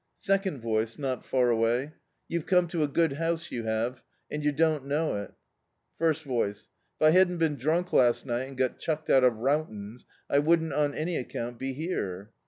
Second voice, not far away: "You've come to a good house, you have, and yer dcKi't know it." First voice: "If I hadn't been drunk last nig^t and got diucked out of Rowton's, I wouldn't, on any accoimt, be here."